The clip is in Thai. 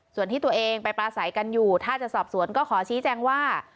ส่วนที่ตัวเองไปปลาใสกันอยู่ถ้าจะสอบสวนก็ขอชี้แจงว่า